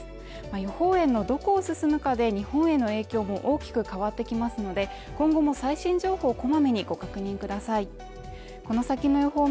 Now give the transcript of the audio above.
予報円のどこを進むかで日本への影響も大きく変わってきますので、今後も最新情報をこまめにご確認ください。